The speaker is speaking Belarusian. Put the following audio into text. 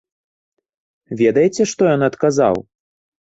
Ведаеце, што ён адказаў?